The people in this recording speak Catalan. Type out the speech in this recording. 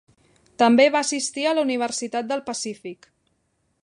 També va assistir a la Universitat del Pacífic.